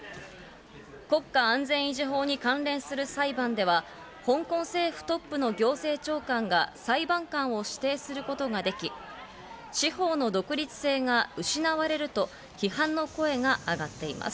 国家安全維持法に関連する裁判では、香港政府トップの行政長官が裁判官を指定することができ、司法の独立性が失われると批判の声が上がっています。